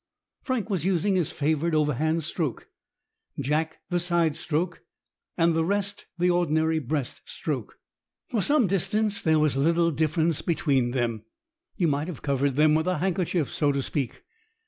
Frank was using his favourite overhand stroke, Jack the side stroke, and the rest the ordinary breast stroke. For some distance there was little difference between them. You might have covered them with a handkerchief, so to speak.